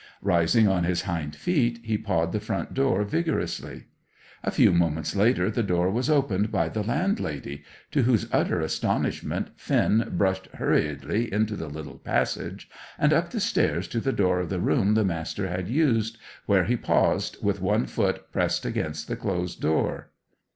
Rising on his hind feet, he pawed the front door vigorously. A few moments later the door was opened by the landlady, to whose utter astonishment Finn brushed hurriedly into the little passage and up the stairs to the door of the room the Master had used, where he paused, with one foot pressed against the closed door.